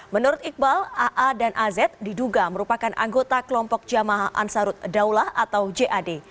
menurut iqbal aa dan az diduga merupakan anggota kelompok jamaah ansarut daulah atau jad